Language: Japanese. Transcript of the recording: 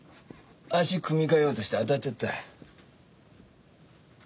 足組み替えようとして当たっちゃった。